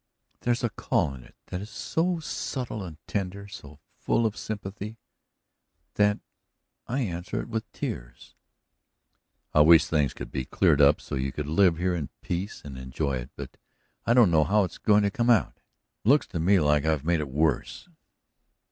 There's a call in it that is so subtle and tender, so full of sympathy, that I answer it with tears." "I wish things could be cleared up so you could live here in peace and enjoy it, but I don't know how it's going to come out. It looks to me like I've made it worse."